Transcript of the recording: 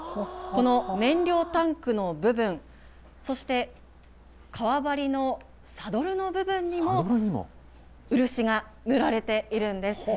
この燃料タンクの部分、そして、革張りのサドルの部分にも漆が塗られているんです。